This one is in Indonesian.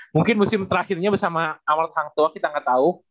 mungkin musim terakhirnya bersama amal tahangtua kita nggak tahu